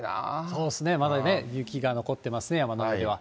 そうですね、まだ雪が残ってますね、山のほうには。